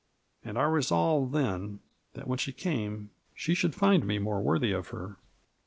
And I resolved then that when she came she should find me more worthy of her.